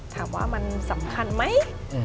ถามว่ามันสำคัญไหม